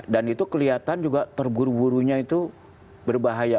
dan itu kelihatan juga terburu burunya itu berbahaya